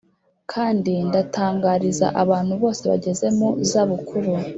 kandi ndatangariza abantu bose bageze mu za bukuru